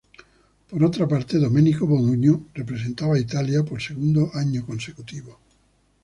Por otra parte, Domenico Modugno representaba a Italia por segundo año consecutivo.